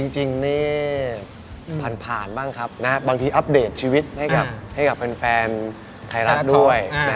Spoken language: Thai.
จริงนี่ผ่านบ้างครับบางทีอัปเดตชีวิตให้กับแฟนไทยรัฐด้วย